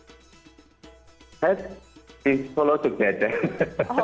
eh di sekolah juga ada